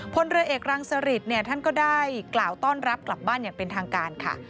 พลเรือเอกรังสริตเนี่ยท่านก็ได้กล่าวต้อนรับกลับบ้านอย่างเป็นทางการค่ะ